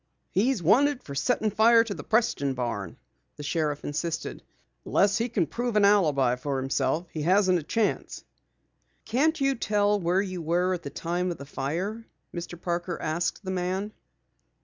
"He's wanted for setting fire to the Preston barn," the sheriff insisted. "Unless he can prove an alibi for himself, he hasn't a chance." "Can't you tell where you were at the time of the fire?" Mr. Parker asked the man.